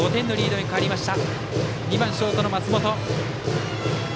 打席には２番ショートの松本。